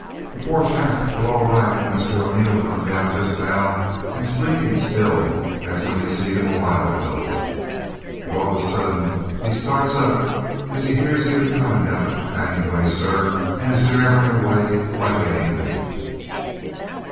"The poor chap wore all right when Mr O'Neil comed down jist now, and a sleepin' still as when you seed him awhile ago. But all of a suddink he starts up as he hears you a comin' down the companion way, sir, and is jabbering away like anythink!"